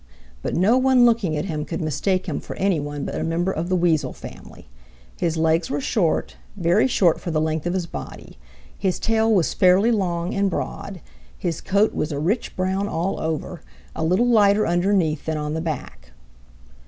But no one looking at him could mistake him for any one but a member of the Weasel family. His legs were short, very short for the length of his body. His tail was fairly long and broad. His coat was a rich brown all over, a little lighter underneath than on the back.